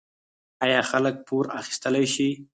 آیا خلک پور اخیستلی شي؟